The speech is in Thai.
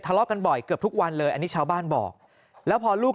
ทะเลาะกันบ่อยเกือบทุกวันเลยอันนี้ชาวบ้านบอกแล้วพอลูก